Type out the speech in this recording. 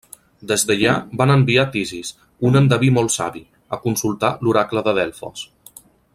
Des d'allà van enviar Tisis, un endeví molt savi, a consultar l'oracle de Delfos.